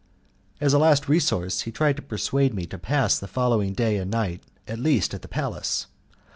As a last resource he tried to persuade me to pass the following day and night, at least, at the palace.